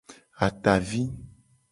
Atavi.